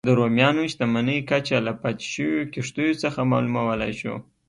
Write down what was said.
د رومیانو شتمنۍ کچه له پاتې شویو کښتیو څخه معلومولای شو